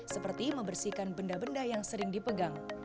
seperti membersihkan benda benda yang sering dipegang